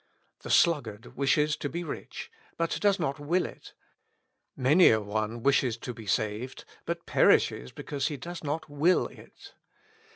The sluggard wishes to be rich, but does not v, ill it. Many a one wishes to be saved, but perishes because he does not will it.